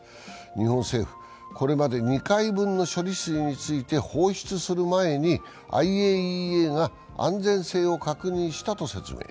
日本政府、これまで２回分の処理水について放出する前にＩＡＥＡが安全性を確認したと説明。